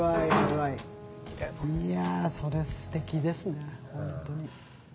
いやそれすてきですね。